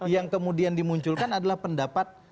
yang kemudian dimunculkan adalah pendapat